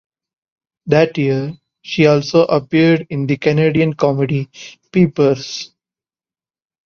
That year, she also appeared in the Canadian comedy "Peepers".